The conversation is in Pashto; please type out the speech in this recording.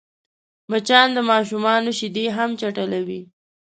مچان د ماشوم شیدې هم چټلوي